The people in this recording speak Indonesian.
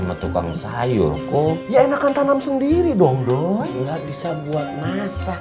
matukan sayur kok ya enakan tanam sendiri dong doi nggak bisa buat masa